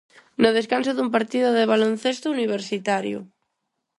No descanso dun partido de baloncesto universitario.